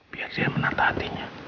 biar dia menata hatinya